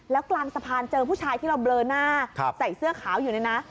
แล้วกลางสะพานเจอผู้ชายที่เราเบลอหน้าใส่เสื้อขาวอยู่เนี่ยนะ